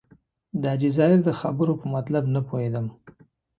د حاجي ظاهر د خبرو په مطلب نه پوهېدم.